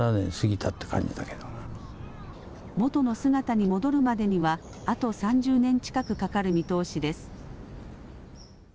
元の姿に戻るまでにはあと３０年近くかかる見通しです。